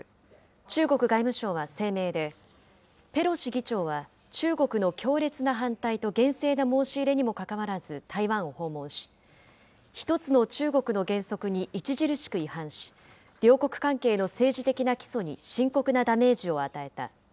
中国外務省は声明で、ペロシ議長は中国の強烈な反対と厳正な申し入れにもかかわらず台湾を訪問し、一つの中国の原則に著しく違反し、両国関係の政治的な基礎に深刻なダメージを与えた。